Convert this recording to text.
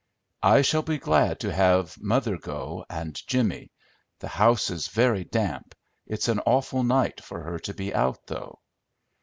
"I shall be glad to have mother go, and Jimmy; the house is very damp. It's an awful night for her to be out, though."